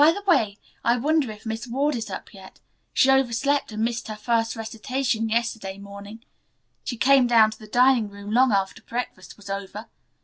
By the way, I wonder if Miss Ward is up yet. She overslept and missed her first recitation yesterday morning. She came down to the dining room long after breakfast was over.